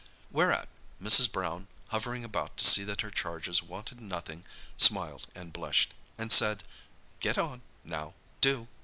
Whereat Mrs. Brown, hovering about to see that her charges wanted nothing, smiled and blushed, and said, "Get on, now, do!"